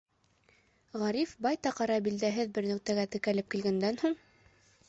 Ғариф байтаҡ ара билдәһеҙ бер нөктәгә текәлеп килгәндән һуң: